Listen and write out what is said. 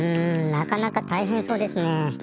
なかなかたいへんそうですねえ。